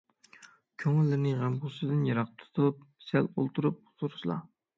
كۆڭۈللىرىنى غەم - غۇسسىدىن يىراق تۇتۇپ، سەل ئولتۇرۇپ تۇرسىلا.